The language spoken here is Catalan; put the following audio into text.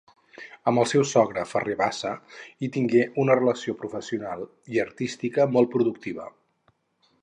Amb el seu sogre Ferrer Bassa hi tingué una relació professional i artística molt productiva.